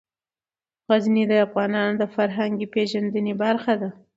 غزني د افغانانو د فرهنګي پیژندنې برخه ده.